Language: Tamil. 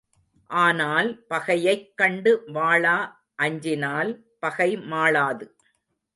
ஆனால், பகையைக் கண்டு வாளா அஞ்சினால் பகை மாளாது.